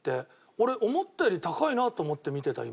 俺思ったより高いなと思って見てた今。